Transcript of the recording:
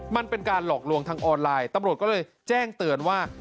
มันเป็นการหลอกลวงทางออนไลน์ตำรวจก็เลยแจ้งเตือนว่า